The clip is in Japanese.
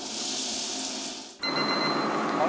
あれ？